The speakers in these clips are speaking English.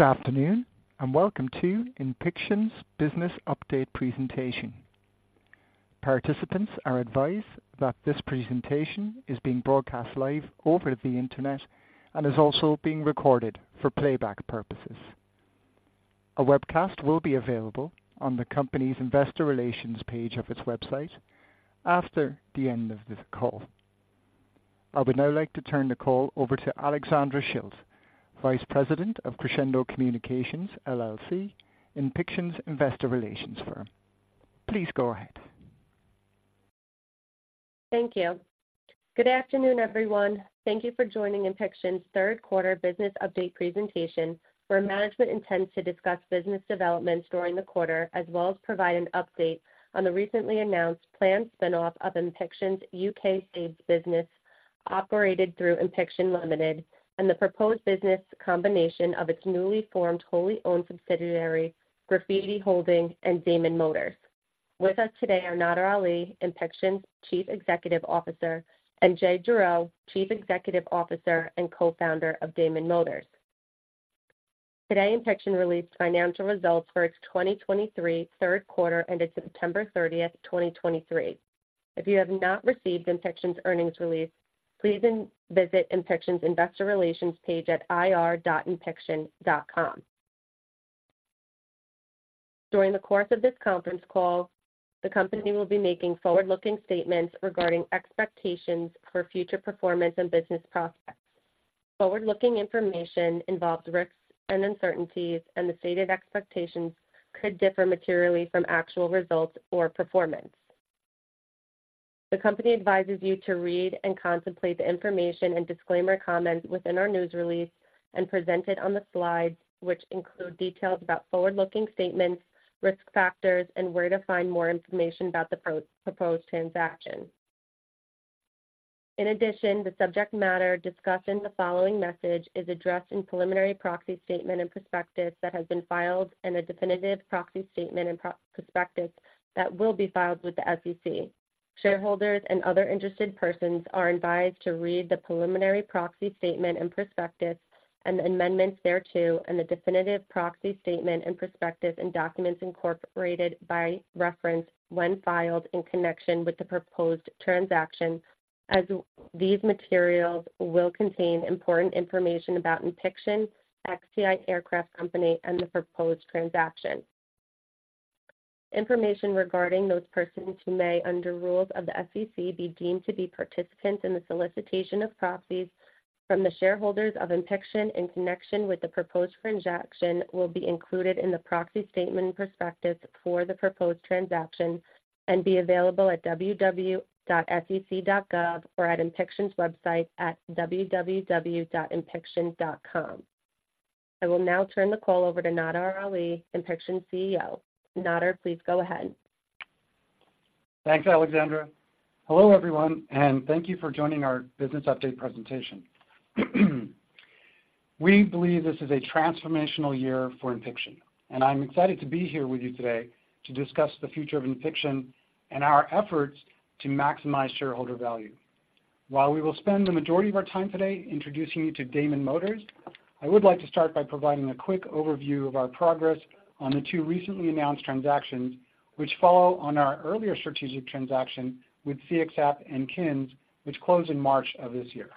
Good afternoon, and welcome to Inpixon's business update presentation. Participants are advised that this presentation is being broadcast live over the internet and is also being recorded for playback purposes. A webcast will be available on the company's investor relations page of its website after the end of this call. I would now like to turn the call over to Alexandra Schilt, Vice President of Crescendo Communications, LLC, Inpixon's investor relations firm. Please go ahead. Thank you. Good afternoon, everyone. Thank you for joining Inpixon's third quarter business update presentation, where management intends to discuss business developments during the quarter, as well as provide an update on the recently announced planned spin-off of Inpixon's UK SAVES business, operated through Inpixon Limited, and the proposed business combination of its newly formed wholly-owned subsidiary, Grafiti Holding and Damon Motors. With us today are Nadir Ali, Inpixon's Chief Executive Officer, and Jay Giraud, Chief Executive Officer and Co-founder of Damon Motors. Today, Inpixon released financial results for its 2023 third quarter ended September 30, 2023. If you have not received Inpixon's earnings release, please then visit Inpixon's investor relations page at ir.inpixon.com. During the course of this conference call, the company will be making forward-looking statements regarding expectations for future performance and business prospects. Forward-looking information involves risks and uncertainties, and the stated expectations could differ materially from actual results or performance. The company advises you to read and contemplate the information and disclaimer comments within our news release and presented on the slides, which include details about forward-looking statements, risk factors, and where to find more information about the proposed transaction. In addition, the subject matter discussed in the following message is addressed in preliminary proxy statement and prospectus that has been filed, and a definitive proxy statement and prospectus that will be filed with the SEC. Shareholders and other interested persons are advised to read the preliminary proxy statement and prospectus and amendments thereto, and the definitive proxy statement and prospectus and documents incorporated by reference when filed in connection with the proposed transaction, as these materials will contain important information about Inpixon, XTI Aircraft Company, and the proposed transaction. Information regarding those persons who may, under rules of the SEC, be deemed to be participants in the solicitation of proxies from the shareholders of Inpixon in connection with the proposed transaction, will be included in the proxy statement and prospectus for the proposed transaction and be available at www.sec.gov or at Inpixon's website at www.inpixon.com. I will now turn the call over to Nadir Ali, Inpixon's CEO. Nadir, please go ahead. Thanks, Alexandra. Hello, everyone, and thank you for joining our business update presentation. We believe this is a transformational year for Inpixon, and I'm excited to be here with you today to discuss the future of Inpixon and our efforts to maximize shareholder value. While we will spend the majority of our time today introducing you to Damon Motors, I would like to start by providing a quick overview of our progress on the two recently announced transactions, which follow on our earlier strategic transaction with CXApp and KINS, which closed in March of this year.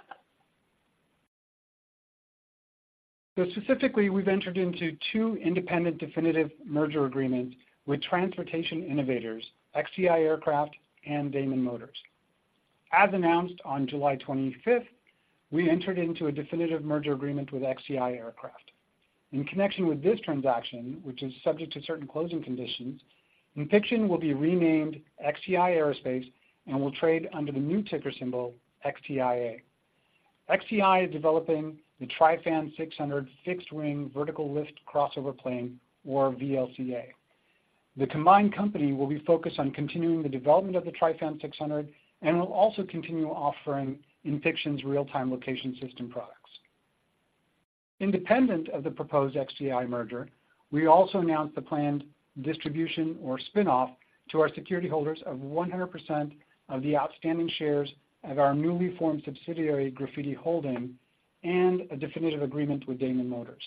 Specifically, we've entered into two independent definitive merger agreements with transportation innovators, XTI Aircraft and Damon Motors. As announced on July 25, we entered into a definitive merger agreement with XTI Aircraft. In connection with this transaction, which is subject to certain closing conditions, Inpixon will be renamed XTI Aerospace and will trade under the new ticker symbol, XTIA. XTI is developing the TriFan 600 fixed-wing vertical lift crossover plane, or VLCA. The combined company will be focused on continuing the development of the TriFan 600 and will also continue offering Inpixon's real-time location system products. Independent of the proposed XTI merger, we also announced the planned distribution or spin-off to our security holders of 100% of the outstanding shares of our newly formed subsidiary, Grafiti Holding, and a definitive agreement with Damon Motors.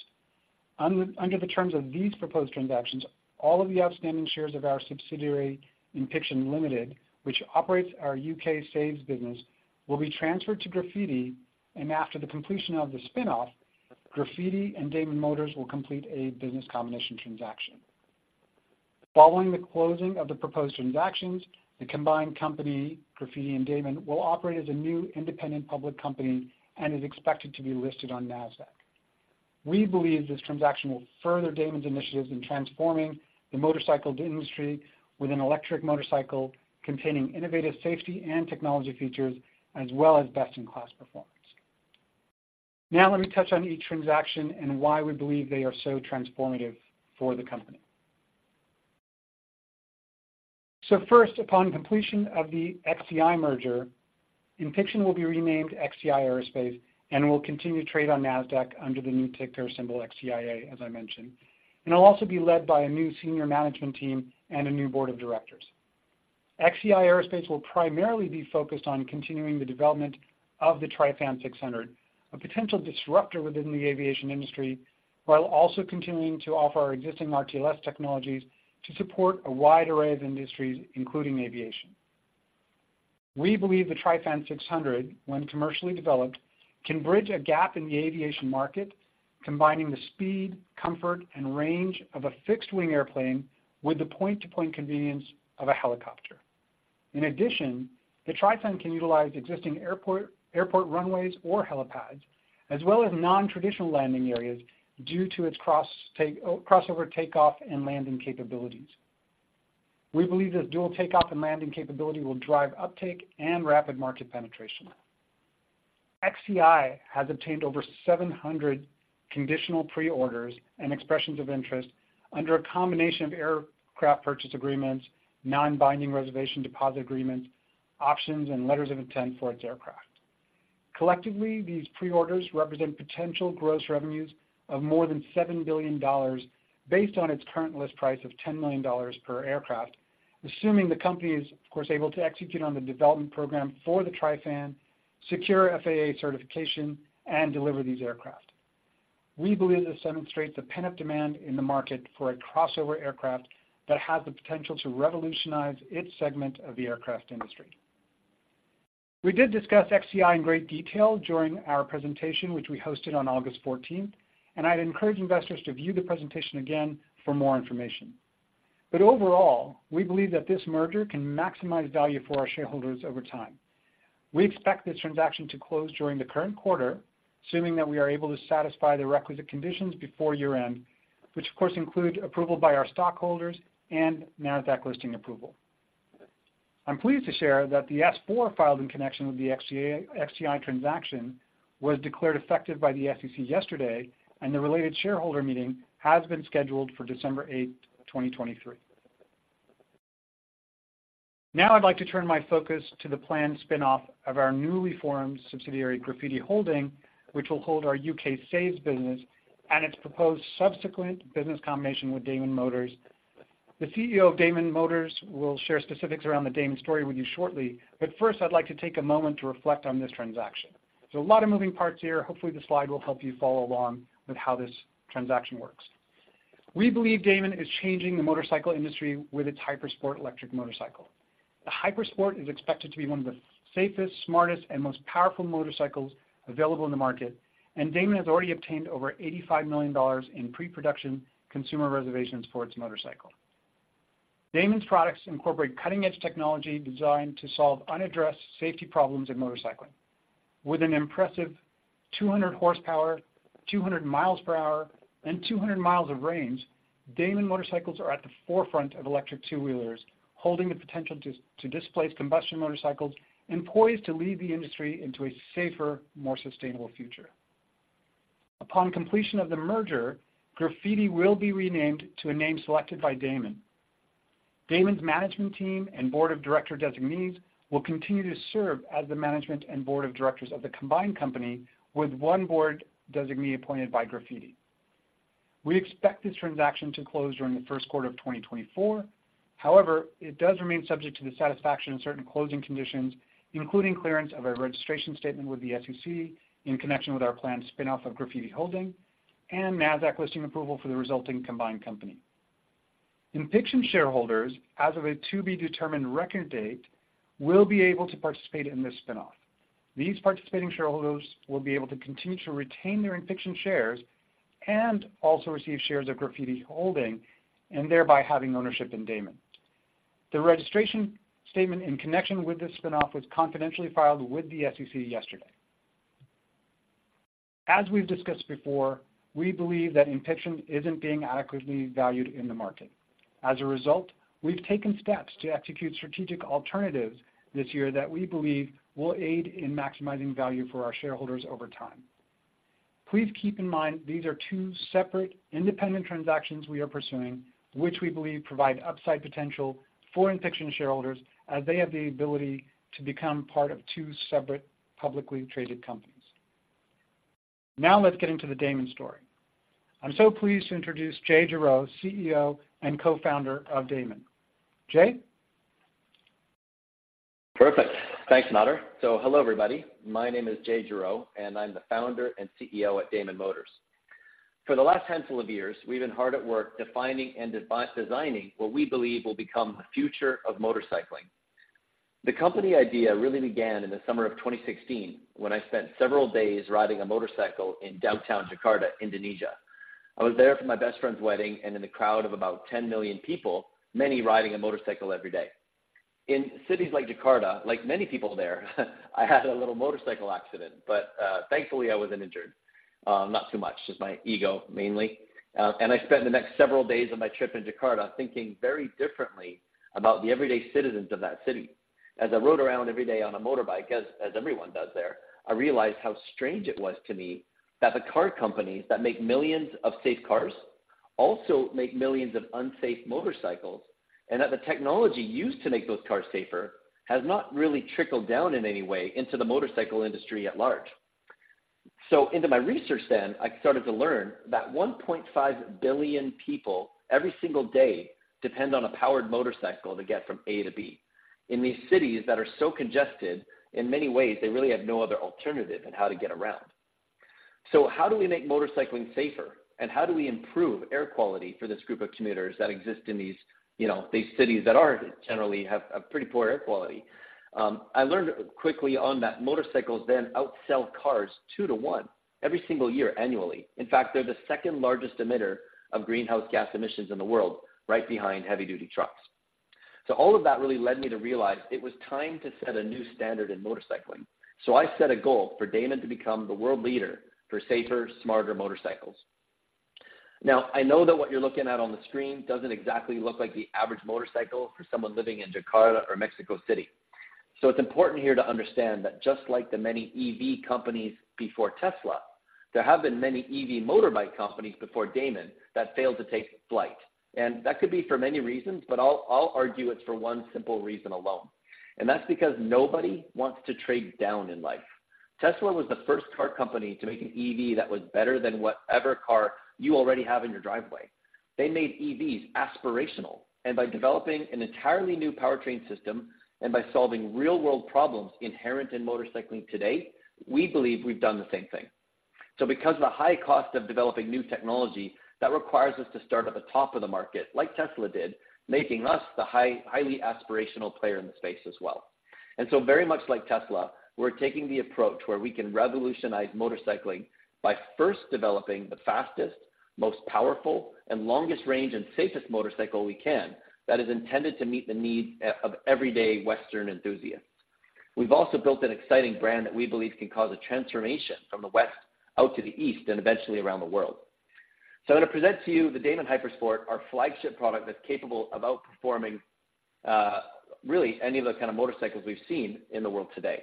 Under the terms of these proposed transactions, all of the outstanding shares of our subsidiary, Inpixon Limited, which operates our UK SAVES business, will be transferred to Grafiti, and after the completion of the spin-off, Grafiti and Damon Motors will complete a business combination transaction. Following the closing of the proposed transactions, the combined company, Grafiti and Damon, will operate as a new independent public company and is expected to be listed on NASDAQ. We believe this transaction will further Damon's initiatives in transforming the motorcycle industry with an electric motorcycle containing innovative safety and technology features, as well as best-in-class performance. Now let me touch on each transaction and why we believe they are so transformative for the company. So first, upon completion of the XTI merger, Inpixon will be renamed XTI Aerospace and will continue to trade on NASDAQ under the new ticker symbol, XTIA, as I mentioned, and it'll also be led by a new senior management team and a new board of directors.... XTI Aerospace will primarily be focused on continuing the development of the TriFan 600, a potential disruptor within the aviation industry, while also continuing to offer our existing RTLS technologies to support a wide array of industries, including aviation. We believe the TriFan 600, when commercially developed, can bridge a gap in the aviation market, combining the speed, comfort, and range of a fixed-wing airplane with the point-to-point convenience of a helicopter. In addition, the TriFan can utilize existing airport, airport runways or helipads, as well as non-traditional landing areas due to its crossover takeoff and landing capabilities. We believe this dual takeoff and landing capability will drive uptake and rapid market penetration. XTI has obtained over 700 conditional pre-orders and expressions of interest under a combination of aircraft purchase agreements, non-binding reservation deposit agreements, options, and letters of intent for its aircraft. Collectively, these pre-orders represent potential gross revenues of more than $7 billion, based on its current list price of $10 million per aircraft, assuming the company is, of course, able to execute on the development program for the TriFan, secure FAA certification, and deliver these aircraft. We believe this demonstrates the pent-up demand in the market for a crossover aircraft that has the potential to revolutionize its segment of the aircraft industry. We did discuss XTI in great detail during our presentation, which we hosted on August 14, and I'd encourage investors to view the presentation again for more information. But overall, we believe that this merger can maximize value for our shareholders over time. We expect this transaction to close during the current quarter, assuming that we are able to satisfy the requisite conditions before year-end, which of course, include approval by our stockholders and NASDAQ listing approval. I'm pleased to share that the S-4 filed in connection with the XTI transaction was declared effective by the SEC yesterday, and the related shareholder meeting has been scheduled for December eighth, 2023. Now I'd like to turn my focus to the planned spin-off of our newly formed subsidiary, Grafiti Holding, which will hold our UK SAVES business and its proposed subsequent business combination with Damon Motors. The CEO of Damon Motors will share specifics around the Damon story with you shortly, but first, I'd like to take a moment to reflect on this transaction. There's a lot of moving parts here. Hopefully, this slide will help you follow along with how this transaction works. We believe Damon is changing the motorcycle industry with its HyperSport electric motorcycle. The HyperSport is expected to be one of the safest, smartest, and most powerful motorcycles available in the market, and Damon has already obtained over $85 million in pre-production consumer reservations for its motorcycle. Damon's products incorporate cutting-edge technology designed to solve unaddressed safety problems in motorcycling. With an impressive 200 horsepower, 200 miles per hour, and 200 miles of range, Damon motorcycles are at the forefront of electric two-wheelers, holding the potential to displace combustion motorcycles and poised to lead the industry into a safer, more sustainable future. Upon completion of the merger, Grafiti will be renamed to a name selected by Damon. Damon's management team and board of directors designees will continue to serve as the management and board of directors of the combined company, with one board designee appointed by Grafiti. We expect this transaction to close during the first quarter of 2024. However, it does remain subject to the satisfaction of certain closing conditions, including clearance of a registration statement with the SEC in connection with our planned spin-off of Grafiti Holding and NASDAQ listing approval for the resulting combined company. Inpixon shareholders, as of a to-be-determined record date, will be able to participate in this spin-off. These participating shareholders will be able to continue to retain their Inpixon shares and also receive shares of Grafiti Holding and thereby having ownership in Damon. The registration statement in connection with this spin-off was confidentially filed with the SEC yesterday. As we've discussed before, we believe that Inpixon isn't being adequately valued in the market. As a result, we've taken steps to execute strategic alternatives this year that we believe will aid in maximizing value for our shareholders over time. Please keep in mind, these are two separate independent transactions we are pursuing, which we believe provide upside potential for Inpixon shareholders as they have the ability to become part of two separate publicly traded companies. Now let's get into the Damon story. I'm so pleased to introduce Jay Giraud, CEO, and co-founder of Damon. Jay? Perfect. Thanks, Nadir. So hello, everybody. My name is Jay Giraud, and I'm the Founder and CEO at Damon Motors. For the last handful of years, we've been hard at work defining and designing what we believe will become the future of motorcycling. The company idea really began in the summer of 2016, when I spent several days riding a motorcycle in downtown Jakarta, Indonesia. I was there for my best friend's wedding, and in a crowd of about 10 million people, many riding a motorcycle every day. In cities like Jakarta, like many people there, I had a little motorcycle accident, but thankfully, I wasn't injured. Not too much, just my ego, mainly. And I spent the next several days of my trip in Jakarta thinking very differently about the everyday citizens of that city. As I rode around every day on a motorbike, as, as everyone does there, I realized how strange it was to me that the car companies that make millions of safe cars also make millions of unsafe motorcycles, and that the technology used to make those cars safer has not really trickled down in any way into the motorcycle industry at large. Into my research then, I started to learn that 1.5 billion people every single day depend on a powered motorcycle to get from A to B. In these cities that are so congested, in many ways, they really have no other alternative in how to get around, so how do we make motorcycling safer, and how do we improve air quality for this group of commuters that exist in these, you know, these cities that are, generally have, have pretty poor air quality? I learned quickly on that motorcycles then outsell cars 2-to-1 every single year annually. In fact, they're the second-largest emitter of greenhouse gas emissions in the world, right behind heavy-duty trucks. So all of that really led me to realize it was time to set a new standard in motorcycling. I set a goal for Damon to become the world leader for safer, smarter motorcycles. Now, I know that what you're looking at on the screen doesn't exactly look like the average motorcycle for someone living in Jakarta or Mexico City. It's important here to understand that just like the many EV companies before Tesla, there have been many EV motorbike companies before Damon that failed to take flight. That could be for many reasons, but I'll, I'll argue it's for one simple reason alone, and that's because nobody wants to trade down in life. Tesla was the first car company to make an EV that was better than whatever car you already have in your driveway. They made EVs aspirational, and by developing an entirely new powertrain system and by solving real-world problems inherent in motorcycling today, we believe we've done the same thing. Because of the high cost of developing new technology, that requires us to start at the top of the market, like Tesla did, making us the highly aspirational player in the space as well. Very much like Tesla, we're taking the approach where we can revolutionize motorcycling by first developing the fastest, most powerful, and longest range, and safest motorcycle we can, that is intended to meet the needs of everyday Western enthusiasts. We've also built an exciting brand that we believe can cause a transformation from the West out to the East and eventually around the world, so I'm going to present to you the Damon HyperSport, our flagship product that's capable of outperforming really any of those kind of motorcycles we've seen in the world today.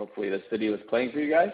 Hopefully, this video is playing for you guys.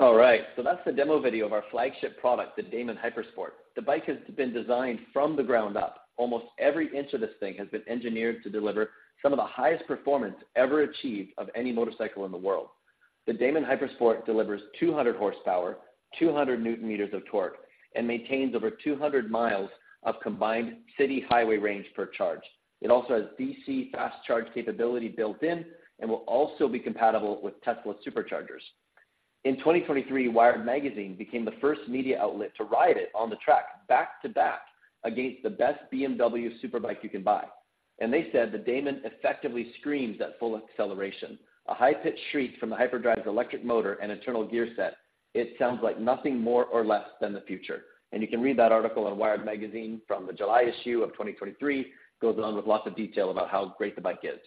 All right. That's the demo video of our flagship product, the Damon HyperSport. The bike has been designed from the ground up. Almost every inch of this thing has been engineered to deliver some of the highest performance ever achieved of any motorcycle in the world. The Damon HyperSport delivers 200 horsepower, 200 newton meters of torque, and maintains over 200 miles of combined city highway range per charge. It also has DC fast charge capability built in and will also be compatible with Tesla Superchargers. In 2023, Wired Magazine became the first media outlet to ride it on the track back-to-back against the best BMW superbike you can buy. And they said, "The Damon effectively screams at full acceleration, a high-pitched shriek from the HyperDrive's electric motor and internal gear set. It sounds like nothing more or less than the future." And you can read that article on Wired Magazine from the July issue of 2023. It goes on with lots of detail about how great the bike is.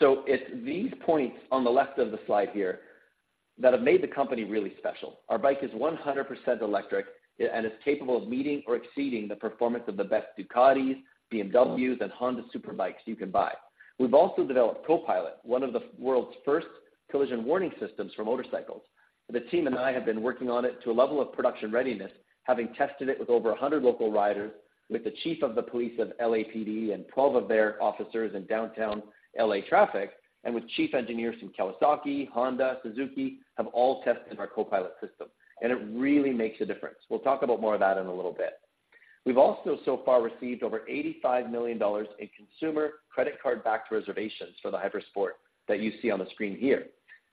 So it's these points on the left of the slide here that have made the company really special. Our bike is 100% electric and is capable of meeting or exceeding the performance of the best Ducatis, BMWs, and Honda Superbikes you can buy. We've also developed CoPilot, one of the world's first collision warning systems for motorcycles. The team and I have been working on it to a level of production readiness, having tested it with over 100 local riders, with the chief of the police of LAPD and 12 of their officers in downtown LA traffic, and with chief engineers from Kawasaki, Honda, Suzuki have all tested our CoPilot system, and it really makes a difference. We'll talk about more of that in a little bit. We've also so far received over $85 million in consumer credit card backed reservations for the HyperSport that you see on the screen here.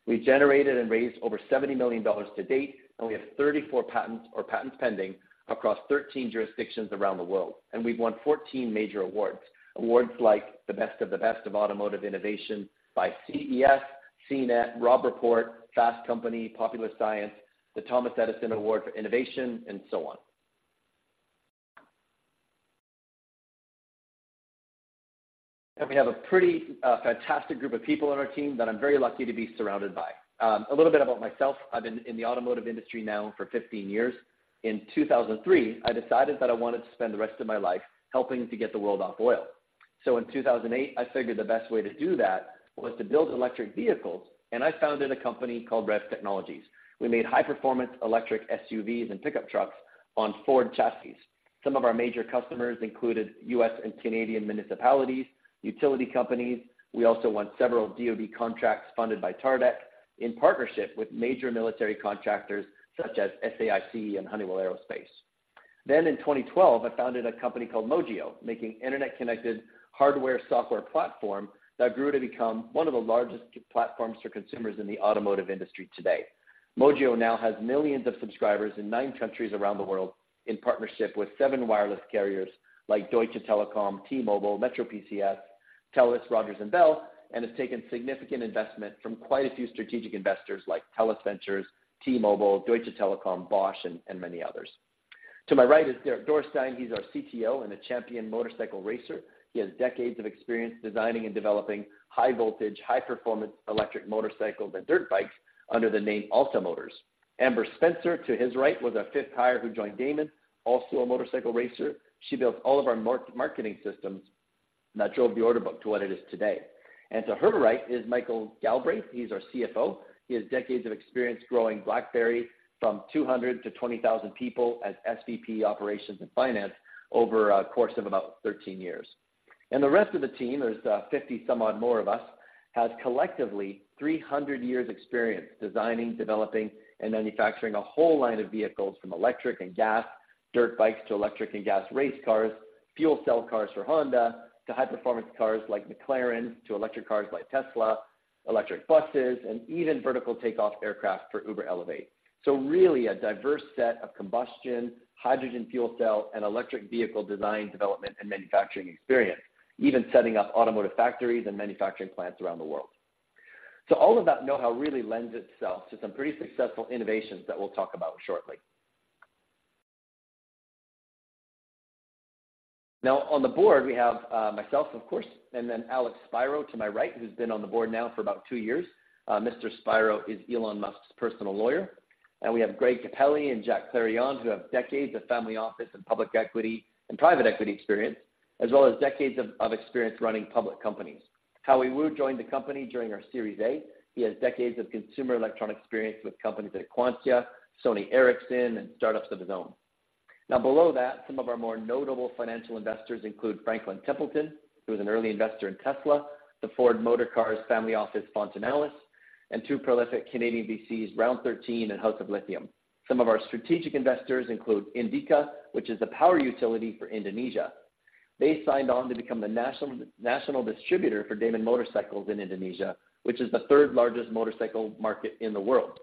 We've generated and raised over $70 million to date, and we have 34 patents or patents pending across 13 jurisdictions around the world, and we've won 14 major awards. Awards like the best of the best of automotive innovation by CES, CNET, Robb Report, Fast Company, Popular Science, the Thomas Edison Award for Innovation, and so on. We have a pretty fantastic group of people on our team that I'm very lucky to be surrounded by. A little bit about myself. I've been in the automotive industry now for 15 years. In 2003, I decided that I wanted to spend the rest of my life helping to get the world off oil. In 2008, I figured the best way to do that was to build electric vehicles, and I founded a company called Rev Technologies. We made high-performance electric SUVs and pickup trucks on Ford chassis. Some of our major customers included U.S. and Canadian municipalities, utility companies. We also won several DOD contracts funded by TARDEC in partnership with major military contractors such as SAIC and Honeywell Aerospace. Then in 2012, I founded a company called Mojio, making internet-connected hardware, software platform that grew to become one of the largest platforms for consumers in the automotive industry today. Mojio now has millions of subscribers in nine countries around the world, in partnership with seven wireless carriers like Deutsche Telekom, T-Mobile, MetroPCS, TELUS, Rogers, and Bell, and has taken significant investment from quite a few strategic investors like TELUS Ventures, T-Mobile, Deutsche Telekom, Bosch, and many others. To my right is Derek Dorresteyn. He's our CTO and a champion motorcycle racer. He has decades of experience designing and developing high voltage, high-performance electric motorcycles and dirt bikes under the name Alta Motors. Amber Spencer, to his right, was our fifth hire, who joined Damon, also a motorcycle racer. She built all of our marketing systems that drove the order book to what it is today, and to her right is Michael Galbraith he's our CFO. He has decades of experience growing BlackBerry from 200 to 20,000 people as SVP, Operations and Finance over a course of about 13 years. The rest of the team, there's 50-some-odd more of us, has collectively 300 years experience designing, developing, and manufacturing a whole line of vehicles from electric and gas dirt bikes to electric and gas race cars, fuel cell cars for Honda, to high-performance cars like McLaren, to electric cars like Tesla, electric buses, and even vertical takeoff aircraft for Uber Elevate. So really, a diverse set of combustion, hydrogen fuel cell, and electric vehicle design, development, and manufacturing experience, even setting up automotive factories and manufacturing plants around the world. All of that know-how really lends itself to some pretty successful innovations that we'll talk about shortly. Now, on the board, we have, myself, of course, and then Alex Spiro, to my right, who's been on the board now for about two years. Mr. Spiro is Elon Musk's personal lawyer, and we have Greg Capelli and Jack Clariond, who have decades of family office and public equity and private equity experience, as well as decades of experience running public companies. Howie Wu joined the company during our Series A. He has decades of consumer electronic experience with companies like Quanta, Sony Ericsson, and startups of his own. Now, below that, some of our more notable financial investors include Franklin Templeton, who was an early investor in Tesla, the Ford Motor Cars family office, Fontinalis, and two prolific Canadian VCs, Round13 and House of Lithium. Some of our strategic investors include Indika, which is the power utility for Indonesia. They signed on to become the national distributor for Damon Motors in Indonesia, which is the third largest motorcycle market in the world.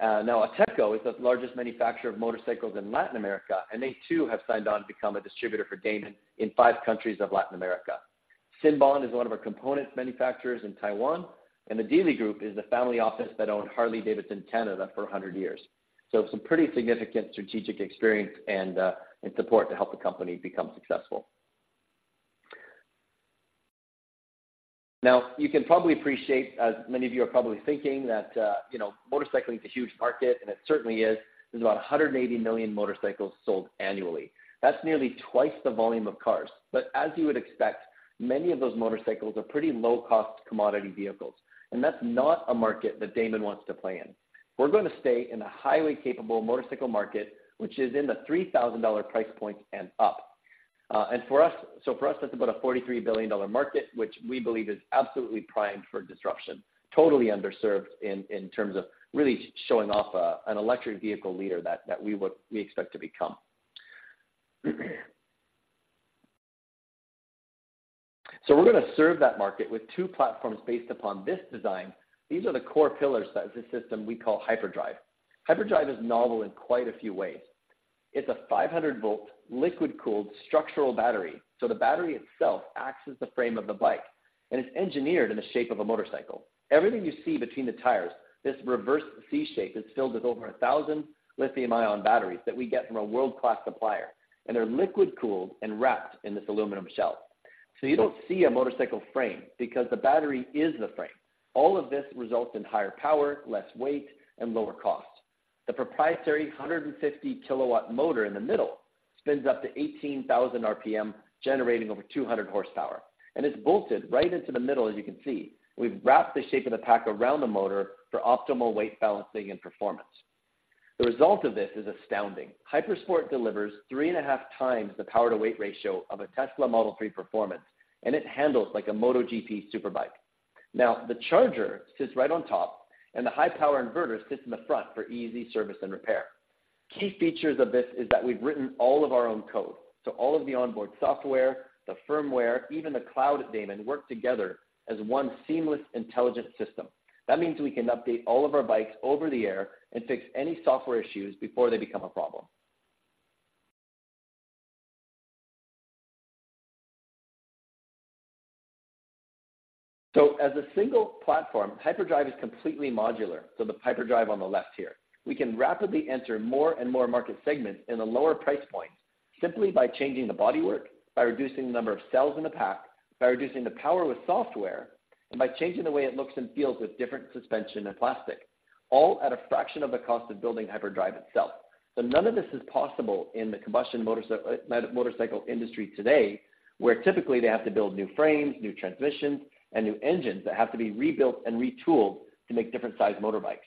Now, Auteco is the largest manufacturer of motorcycles in Latin America, and they too have signed on to become a distributor for Damon in five countries of Latin America. Sinbon is one of our components manufacturers in Taiwan, and the Deeley Group is the family office that owned Harley-Davidson Canada for 100 years. Some pretty significant strategic experience and support to help the company become successful. Now, you can probably appreciate, as many of you are probably thinking, that, you know, motorcycling is a huge market, and it certainly is. There's about 180 million motorcycles sold annually. That's nearly twice the volume of cars. As you would expect, many of those motorcycles are pretty low-cost commodity vehicles, and that's not a market that Damon wants to play in. We're gonna stay in the highly capable motorcycle market, which is in the $3,000 price point and up. For us, that's about a $43 billion market, which we believe is absolutely primed for disruption, totally underserved in terms of really showing off an electric vehicle leader that we expect to become. We're gonna serve that market with two platforms based upon this design. These are the core pillars that the system we call HyperDrive. HyperDrive is novel in quite a few ways. It's a 500-volt, liquid-cooled structural battery, so the battery itself acts as the frame of the bike, and it's engineered in the shape of a motorcycle. Everything you see between the tires, this reverse C shape, is filled with over 1,000 lithium-ion batteries that we get from a world-class supplier, and they're liquid-cooled and wrapped in this aluminum shell. So you don't see a motorcycle frame because the battery is the frame. All of this results in higher power, less weight, and lower cost. The proprietary 150-kW motor in the middle spins up to 18,000 RPM, generating over 200 horsepower, and it's bolted right into the middle, as you can see. We've wrapped the shape of the pack around the motor for optimal weight balancing and performance. The result of this is astounding. HyperSport delivers 3.5 times the power-to-weight ratio of a Tesla Model 3 Performance, and it handles like a MotoGP superbike. Now, the charger sits right on top, and the high-power inverter sits in the front for easy service and repair. Key features of this is that we've written all of our own code, so all of the onboard software, the firmware, even the cloud at Damon, work together as one seamless, intelligent system. That means we can update all of our bikes over the air and fix any software issues before they become a problem. As a single platform, HyperDrive is completely modular, so the HyperDrive on the left here. We can rapidly enter more and more market segments in the lower price points simply by changing the bodywork, by reducing the number of cells in the pack, by reducing the power with software, and by changing the way it looks and feels with different suspension and plastic, all at a fraction of the cost of building HyperDrive itself. None of this is possible in the combustion motorcycle industry today, where typically they have to build new frames, new transmissions, and new engines that have to be rebuilt and retooled to make different sized motorbikes.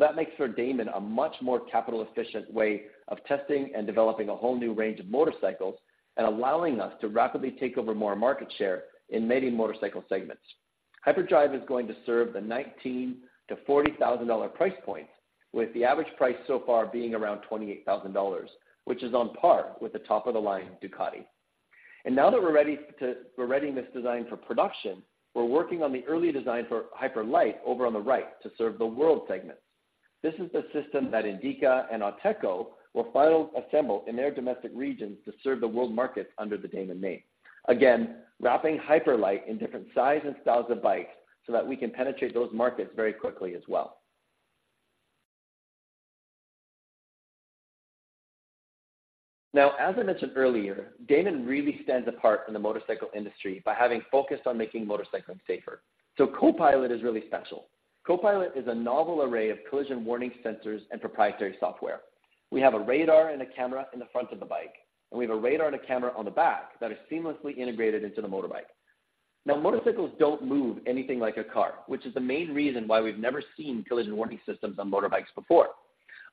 That makes for Damon a much more capital efficient way of testing and developing a whole new range of motorcycles and allowing us to rapidly take over more market share in many motorcycle segments. HyperDrive is going to serve the $19,000-$40,000 price point, with the average price so far being around $28,000, which is on par with the top-of-the-line Ducati. And now that we're readying this design for production, we're working on the early design for HyperLite over on the right to serve the world segment. This is the system that INDIKA and Auteco will final assemble in their domestic regions to serve the world markets under the Damon name. Again, wrapping HyperLite in different sizes and styles of bikes so that we can penetrate those markets very quickly as well. Now, as I mentioned earlier, Damon really stands apart from the motorcycle industry by having focused on making motorcycling safer, so CoPilot is really special. CoPilot is a novel array of collision warning sensors and proprietary software. We have a radar and a camera in the front of the bike, and we have a radar and a camera on the back that are seamlessly integrated into the motorbike. Now, motorcycles don't move anything like a car, which is the main reason why we've never seen collision warning systems on motorbikes before.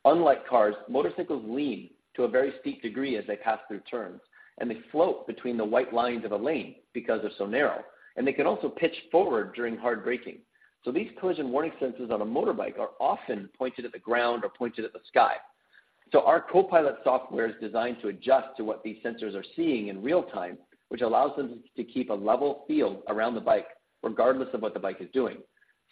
Unlike cars, motorcycles lean to a very steep degree as they pass through turns, and they float between the white lines of a lane because they're so narrow, and they can also pitch forward during hard braking, so these collision warning sensors on a motorbike are often pointed at the ground or pointed at the sky. Our CoPilot software is designed to adjust to what these sensors are seeing in real time, which allows them to keep a level field around the bike, regardless of what the bike is doing.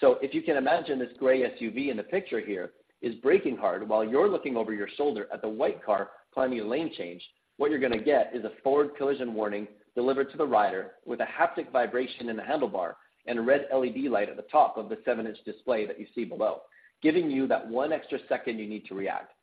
If you can imagine, this gray SUV in the picture here is braking hard while you're looking over your shoulder at the white car planning a lane change. What you're going to get is a forward collision warning delivered to the rider with a haptic vibration in the handlebar and a red LED light at the top of the 7-inch display that you see below, giving you that one extra second you need to react.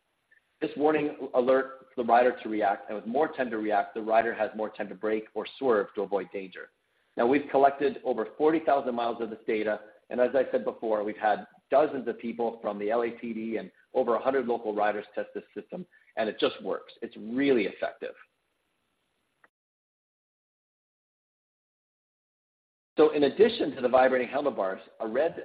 This warning alert the rider to react, and with more time to react, the rider has more time to brake or swerve to avoid danger. Now, we've collected over 40,000 miles of this data, and as I said before, we've had dozens of people from the LAPD and over 100 local riders test this system, and it just works. It's really effective. So in addition to the vibrating handlebars, a red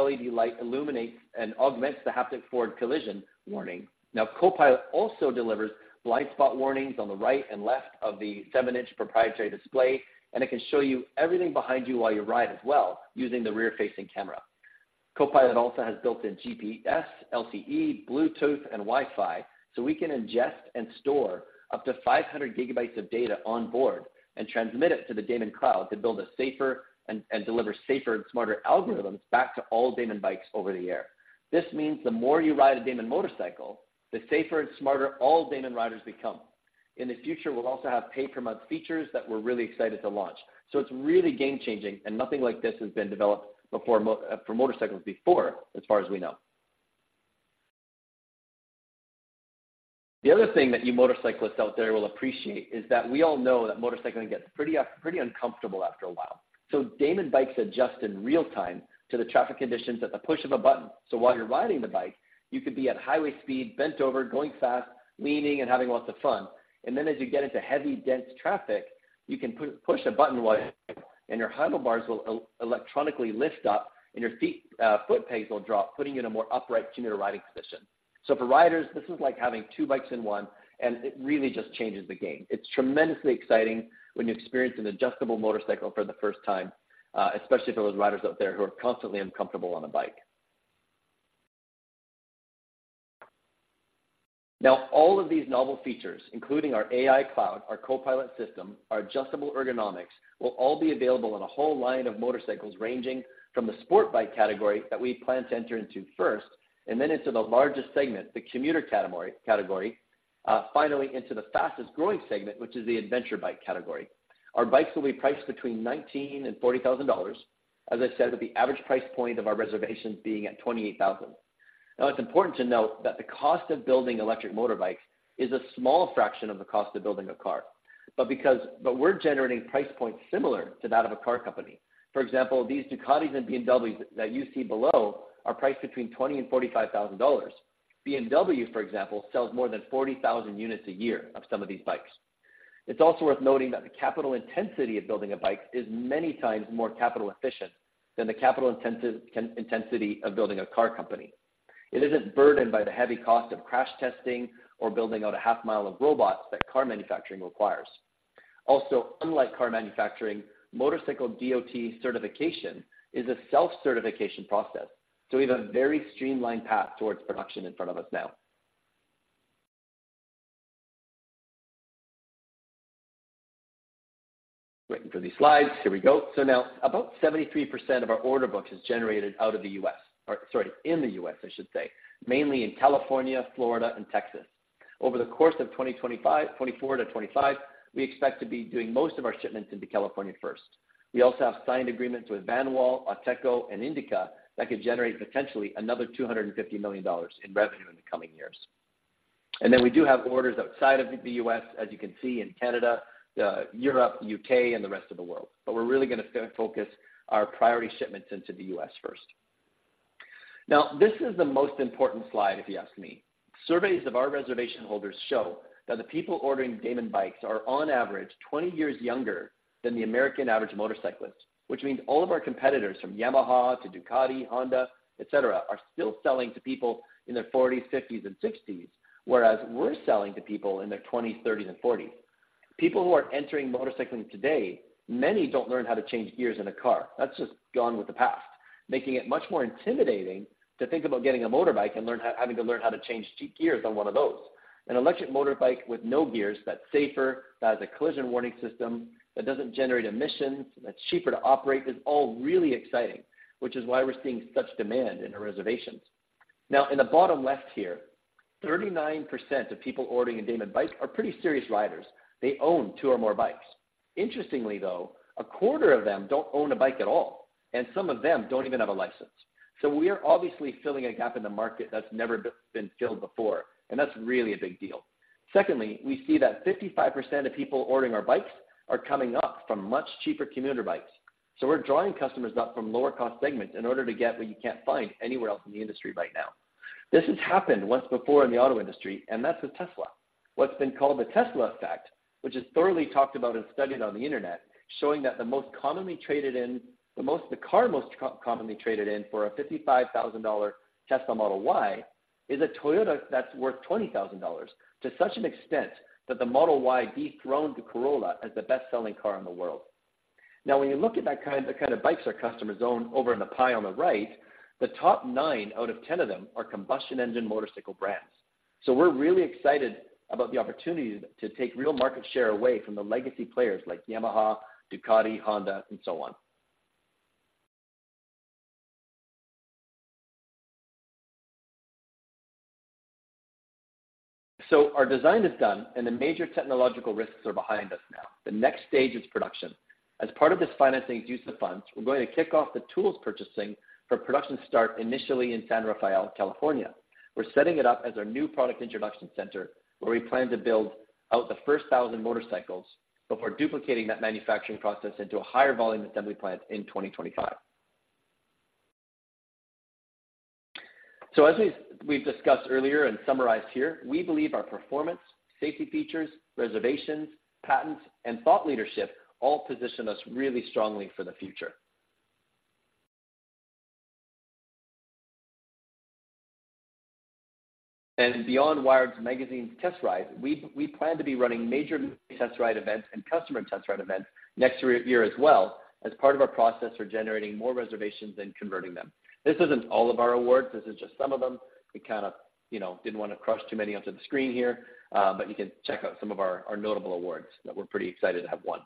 LED light illuminates and augments the haptic forward collision warning. Now, CoPilot also delivers blind spot warnings on the right and left of the 7-inch proprietary display, and it can show you everything behind you while you ride as well, using the rear-facing camera. CoPilot also has built-in GPS, LTE, Bluetooth, and Wi-Fi, so we can ingest and store up to 500 GB of data on board and transmit it to the Damon Cloud to build a safer and deliver safer and smarter algorithms back to all Damon bikes over the air. This means the more you ride a Damon motorcycle, the safer and smarter all Damon riders become. In the future, we'll also have pay-per-month features that we're really excited to launch. So it's really game-changing, and nothing like this has been developed before for motorcycles before, as far as we know. The other thing that you motorcyclists out there will appreciate is that we all know that motorcycling gets pretty, pretty uncomfortable after a while. So Damon bikes adjust in real time to the traffic conditions at the push of a button. While you're riding the bike, you could be at highway speed, bent over, going fast, leaning, and having lots of fun, and then as you get into heavy, dense traffic, you can push a button, and your handlebars will electronically lift up, and your feet, foot pegs will drop, putting you in a more upright commuter riding position. For riders, this is like having two bikes in one, and it really just changes the game. It's tremendously exciting when you experience an adjustable motorcycle for the first time, especially for those riders out there who are constantly uncomfortable on a bike. Now, all of these novel features, including our AI cloud, our CoPilot system, our adjustable ergonomics, will all be available in a whole line of motorcycles, ranging from the sport bike category that we plan to enter into first, and then into the largest segment, the commuter category, finally into the fastest-growing segment, which is the adventure bike category. Our bikes will be priced between $19,000-$40,000. As I said, with the average price point of our reservations being at $28,000. Now, it's important to note that the cost of building electric motorbikes is a small fraction of the cost of building a car, but because but we're generating price points similar to that of a car company. For example, these Ducatis and BMWs that you see below are priced between $20,000-$45,000. BMW, for example, sells more than 40,000 units a year of some of these bikes. It's also worth noting that the capital intensity of building a bike is many times more capital efficient than the capital intensity of building a car company. It isn't burdened by the heavy cost of crash testing or building out a half mile of robots that car manufacturing requires. Also, unlike car manufacturing, motorcycle DOT certification is a self-certification process, so we have a very streamlined path towards production in front of us now. Waiting for these slides. Here we go. Now, about 73% of our order books is generated out of the U.S., or sorry, in the U.S., I should say, mainly in California, Florida, and Texas. Over the course of 2024-2025, we expect to be doing most of our shipments into California first. We also have signed agreements with Vanwall, Ateco, and INDIKA that could generate potentially another $250 million in revenue in the coming years. Then we do have orders outside of the U.S., as you can see, in Canada, Europe, U.K., and the rest of the world, but we're really gonna focus our priority shipments into the U.S. first. Now, this is the most important slide, if you ask me. Surveys of our reservation holders show that the people ordering Damon bikes are, on average, 20 years younger than the American average motorcyclist, which means all of our competitors, from Yamaha to Ducati, Honda, et cetera, are still selling to people in their forties, fifties, and sixties, whereas we're selling to people in their twenties, thirties, and forties. People who are entering motorcycling today, many don't learn how to change gears in a car. That's just gone with the past, making it much more intimidating to think about getting a motorbike and having to learn how to change gears on one of those. An electric motorbike with no gears, that's safer, that has a collision warning system, that doesn't generate emissions, that's cheaper to operate, is all really exciting, which is why we're seeing such demand in our reservations. Now, in the bottom left here, 39% of people ordering a Damon bike are pretty serious riders. They own two or more bikes. Interestingly, though, a quarter of them don't own a bike at all, and some of them don't even have a license. So we are obviously filling a gap in the market that's never been filled before, and that's really a big deal. Secondly, we see that 55% of people ordering our bikes are coming up from much cheaper commuter bikes. So we're drawing customers up from lower cost segments in order to get what you can't find anywhere else in the industry right now. This has happened once before in the auto industry, and that's with Tesla. What's been called the Tesla effect, which is thoroughly talked about and studied on the internet, showing that the most commonly traded-in car for a $55,000 Tesla Model Y is a Toyota that's worth $20,000, to such an extent that the Model Y dethroned the Corolla as the best-selling car in the world. Now, when you look at that kind, the kind of bikes our customers own over in the pie on the right, the top 9 out of 10 of them are combustion engine motorcycle brands. We're really excited about the opportunity to take real market share away from the legacy players like Yamaha, Ducati, Honda, and so on. Our design is done, and the major technological risks are behind us now. The next stage is production. As part of this financing use of funds, we're going to kick off the tools purchasing for production start initially in San Rafael, California. We're setting it up as our new product introduction center, where we plan to build out the first 1,000 motorcycles before duplicating that manufacturing process into a higher volume assembly plant in 2025. As we've discussed earlier and summarized here, we believe our performance, safety features, reservations, patents, and thought leadership all position us really strongly for the future. Beyond Wired Magazine's test ride, we plan to be running major test ride events and customer test ride events next year as well, as part of our process for generating more reservations than converting them. This isn't all of our awards, this is just some of them. We kind of, you know, didn't want to crush too many onto the screen here, but you can check out some of our notable awards that we're pretty excited to have won.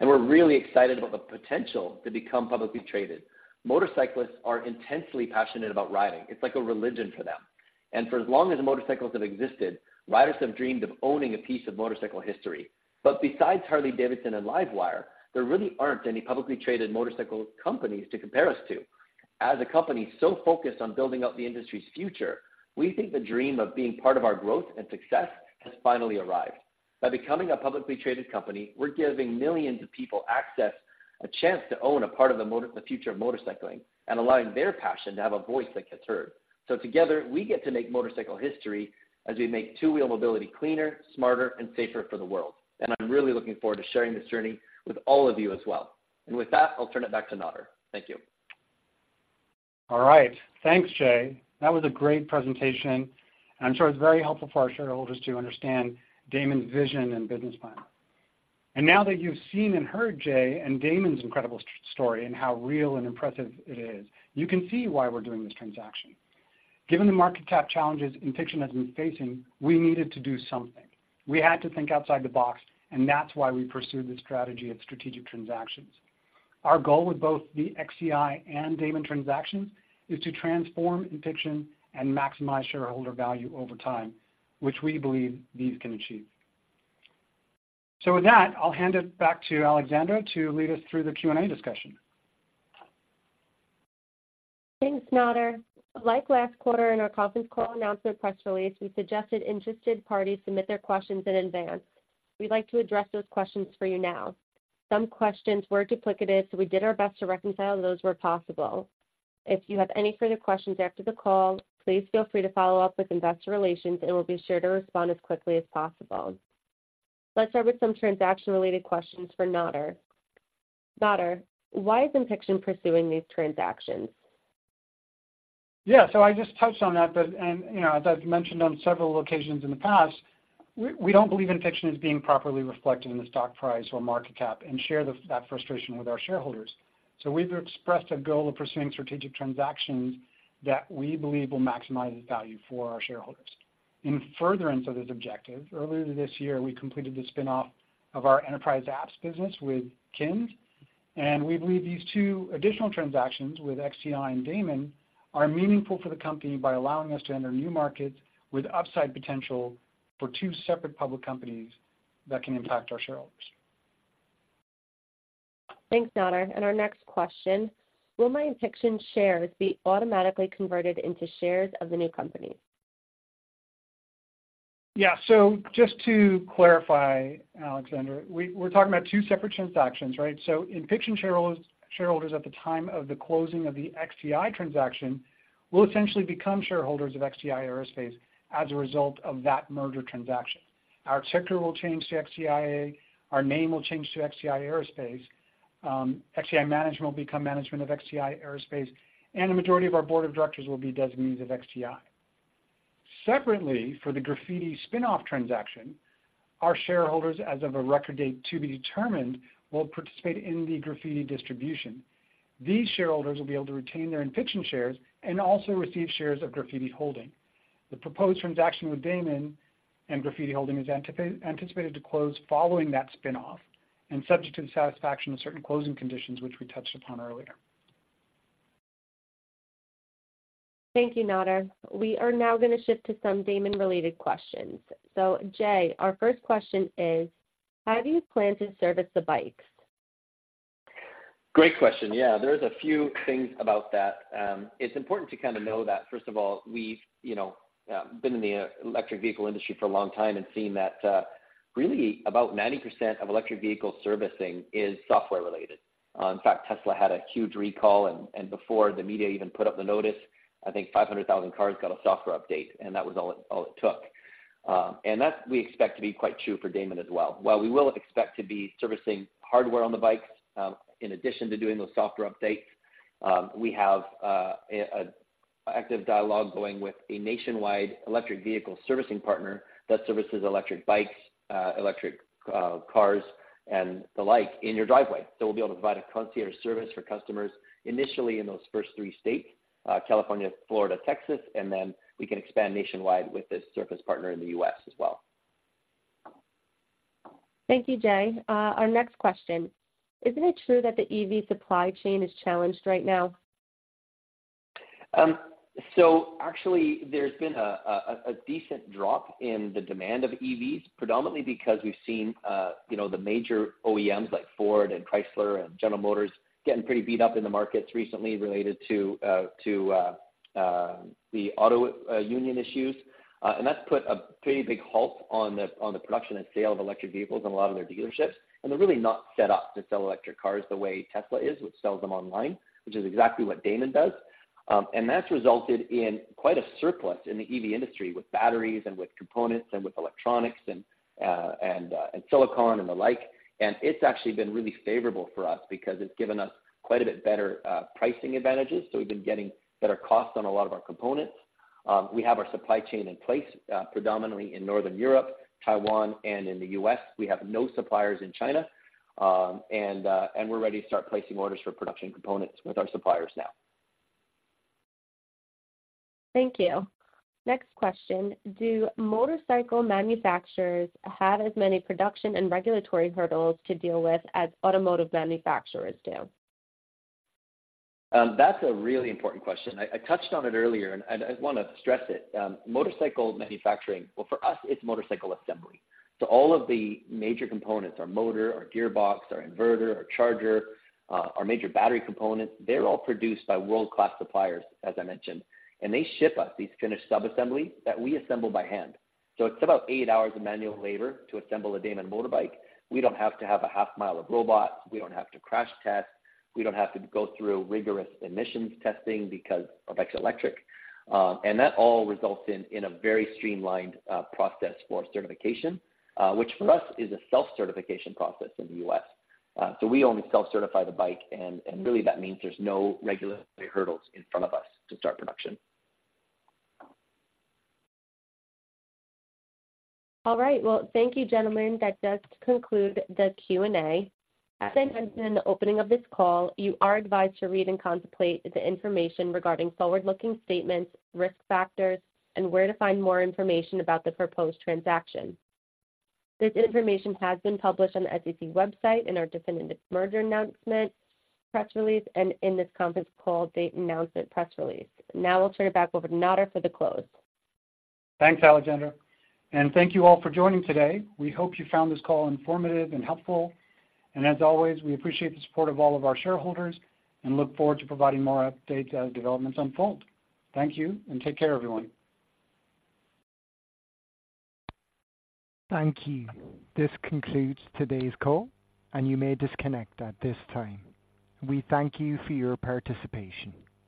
We're really excited about the potential to become publicly traded. Motorcyclists are intensely passionate about riding. It's like a religion for them. For as long as motorcycles have existed, riders have dreamed of owning a piece of motorcycle history. But besides Harley-Davidson and LiveWire, there really aren't any publicly traded motorcycle companies to compare us to. As a company so focused on building out the industry's future, we think the dream of being part of our growth and success has finally arrived. By becoming a publicly traded company, we're giving millions of people access, a chance to own a part of the future of motorcycling, and allowing their passion to have a voice that gets heard. Together, we get to make motorcycle history as we make two-wheel mobility cleaner, smarter, and safer for the world. I'm really looking forward to sharing this journey with all of you as well. With that, I'll turn it back to Nadir. Thank you. All right. Thanks, Jay. That was a great presentation, and I'm sure it's very helpful for our shareholders to understand Damon's vision and business plan. Now that you've seen and heard Jay and Damon's incredible story and how real and impressive it is, you can see why we're doing this transaction. Given the market cap challenges Inpixon has been facing, we needed to do something. We had to think outside the box, and that's why we pursued this strategy of strategic transactions. Our goal with both the XTI and Damon transactions is to transform Inpixon and maximize shareholder value over time, which we believe these can achieve. With that, I'll hand it back to Alexandra to lead us through the Q&A discussion. Thanks, Nadir. Like last quarter, in our conference call announcement press release, we suggested interested parties submit their questions in advance. We'd like to address those questions for you now. Some questions were duplicated, so we did our best to reconcile those where possible. If you have any further questions after the call, please feel free to follow up with investor relations, and we'll be sure to respond as quickly as possible. Let's start with some transaction-related questions for Nadir.... Nadir, why is Inpixon pursuing these transactions? Yeah, so I just touched on that, but, and, you know, as I've mentioned on several occasions in the past, we don't believe Inpixon is being properly reflected in the stock price or market cap, and share that frustration with our shareholders. So we've expressed a goal of pursuing strategic transactions that we believe will maximize value for our shareholders. In furtherance of this objective, earlier this year, we completed the spin-off of our enterprise apps business with KINS, and we believe these two additional transactions with XTI and Damon are meaningful for the company by allowing us to enter new markets with upside potential for two separate public companies that can impact our shareholders. Thanks, Nadir. And our next question: Will my Inpixon shares be automatically converted into shares of the new company? Yeah. Just to clarify, Alexandra, we're talking about two separate transactions, right? So Inpixon shareholders, shareholders at the time of the closing of the XTI transaction will essentially become shareholders of XTI Aerospace as a result of that merger transaction. Our ticker will change to XTIA, our name will change to XTI Aerospace, XTI management will become management of XTI Aerospace, and the majority of our board of directors will be designees of XTI. Separately, for the Grafiti spin-off transaction, our shareholders, as of a record date to be determined, will participate in the Grafiti distribution. These shareholders will be able to retain their Inpixon shares and also receive shares of Grafiti Holdings. The proposed transaction with Damon and Grafiti Holdings is anticipated to close following that spin-off and subject to the satisfaction of certain closing conditions, which we touched upon earlier. Thank you, Nadir. We are now going to shift to some Damon-related questions. So, Jay, our first question is: How do you plan to service the bikes? Great question. Yeah, there's a few things about that. It's important to kind of know that, first of all, we've, you know, been in the electric vehicle industry for a long time and seen that, really, about 90% of electric vehicle servicing is software related. In fact, Tesla had a huge recall, and, and before the media even put up the notice, I think 500,000 cars got a software update, and that was all it, all it took. That we expect to be quite true for Damon as well. While we will expect to be servicing hardware on the bikes, in addition to doing those software updates, we have, an active dialogue going with a nationwide electric vehicle servicing partner that services electric bikes, electric, cars and the like in your driveway. We'll be able to provide a concierge service for customers initially in those first three states, California, Florida, Texas, and then we can expand nationwide with this service partner in the U.S. as well. Thank you, Jay. Our next question: Isn't it true that the EV supply chain is challenged right now? Actually, there's been a decent drop in the demand of EVs, predominantly because we've seen, you know, the major OEMs like Ford and Chrysler and General Motors getting pretty beat up in the markets recently related to the auto union issues. That's put a pretty big halt on the production and sale of electric vehicles in a lot of their dealerships, and they're really not set up to sell electric cars the way Tesla is, which sells them online, which is exactly what Damon does. That's resulted in quite a surplus in the EV industry with batteries and with components and with electronics and silicon and the like, and it's actually been really favorable for us because it's given us quite a bit better pricing advantages. We've been getting better costs on a lot of our components. We have our supply chain in place, predominantly in Northern Europe, Taiwan, and in the U.S. We have no suppliers in China, and we're ready to start placing orders for production components with our suppliers now. Thank you. Next question: Do motorcycle manufacturers have as many production and regulatory hurdles to deal with as automotive manufacturers do? That's a really important question. I touched on it earlier, and I want to stress it. Motorcycle manufacturing, well, for us, it's motorcycle assembly, so all of the major components, our motor, our gearbox, our inverter, our charger, our major battery components, they're all produced by world-class suppliers, as I mentioned, and they ship us these finished sub-assemblies that we assemble by hand. It's about eight hours of manual labor to assemble a Damon motorbike. We don't have to have a half mile of robots. We don't have to crash test. We don't have to go through rigorous emissions testing because it's electric, and that all results in a very streamlined process for certification, which for us is a self-certification process in the U.S. We only self-certify the bike, and really that means there's no regulatory hurdles in front of us to start production. All right. Well, thank you, gentlemen. That does conclude the Q&A. As I mentioned in the opening of this call, you are advised to read and contemplate the information regarding forward-looking statements, risk factors, and where to find more information about the proposed transaction. This information has been published on the SEC website, in our definitive merger announcement, press release, and in this conference call date announcement, press release. Now I'll turn it back over to Nadir for the close. Thanks, Alexandra, and thank you all for joining today. We hope you found this call informative and helpful. As always, we appreciate the support of all of our shareholders and look forward to providing more updates as developments unfold. Thank you, and take care, everyone. Thank you. This concludes today's call, and you may disconnect at this time. We thank you for your participation.